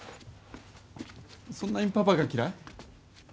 そんなにパパが嫌い？